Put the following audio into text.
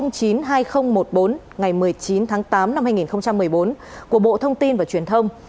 ngày một mươi chín tháng tám năm hai nghìn một mươi bốn của bộ thông tin và truyền thông